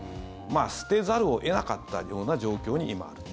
捨てざるを得なかったような状況に今あると。